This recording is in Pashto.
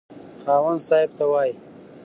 خاوند صاحب ته وايي.